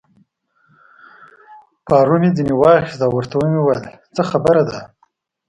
پارو مې ځینې واخیست او ورته مې وویل: څه خبره ده؟